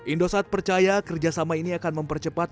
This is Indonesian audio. indosat percaya kerjasama ini akan mempercepat